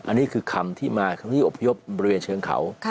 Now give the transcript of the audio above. อันนี้คือคำที่มาที่อบพยพบริเวณเชิงเขา